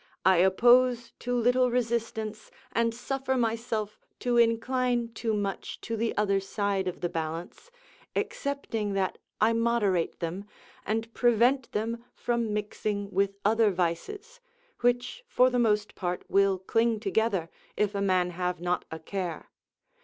I oppose too little resistance and suffer myself to incline too much to the other side of the balance, excepting that I moderate them, and prevent them from mixing with other vices, which for the most part will cling together, if a man have not a care.